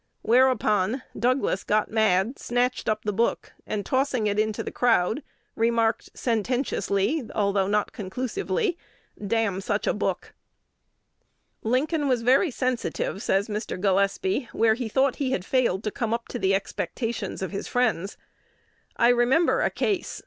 Whereupon "Douglas got mad," snatched up the book, and, tossing it into the crowd, remarked sententiously, although not conclusively, "Damn such a book!" "He was very sensitive," says Mr. Gillespie, "where he thought he had failed to come up to the expectations of his friends. I remember a case.